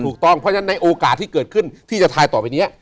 ถูกต้องเพราะฉะนั้นในโอกาสที่เกิดขึ้นที่จะทายต่อไปนี้